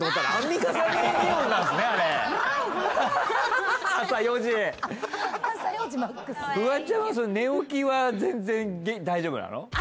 フワちゃんは寝起きは全然大丈夫なの？